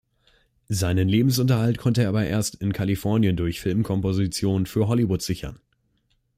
Seinen Lebensunterhalt konnte er aber erst in Kalifornien durch Filmkompositionen für Hollywood sichern.